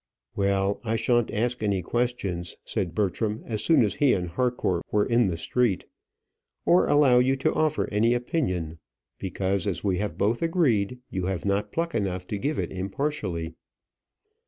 "Well, I shan't ask any questions," said Bertram, as soon as he and Harcourt were in the street, "or allow you to offer any opinion; because, as we have both agreed, you have not pluck enough to give it impartially."